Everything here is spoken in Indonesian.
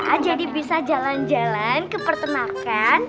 kita jadi bisa jalan jalan ke peternakan